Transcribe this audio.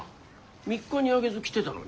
３日にあげず来てたのに。